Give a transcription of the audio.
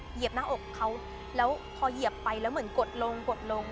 เหยียบหน้าอกเขาแล้วพอเหยียบไปแล้วเหมือนกดลงกดลง